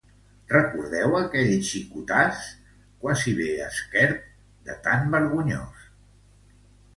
Recordeu aquell xicotàs?, quasi bé esquerp de tant vergonyós